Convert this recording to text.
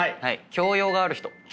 教養がある。